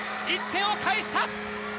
１点を返した！